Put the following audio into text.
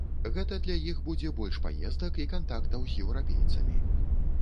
Гэта для іх будзе больш паездак і кантактаў з еўрапейцамі.